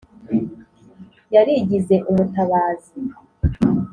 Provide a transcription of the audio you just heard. Yarigize umutabazi